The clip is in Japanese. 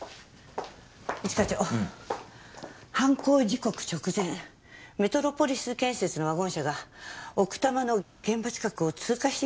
一課長犯行時刻直前メトロポリス建設のワゴン車が奥多摩の現場近くを通過していた事が判明しました。